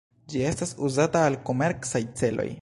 Ĝi estas uzata al komercaj celoj.